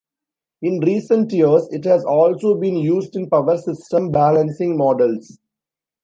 In recent years it has also been used in power system balancing models.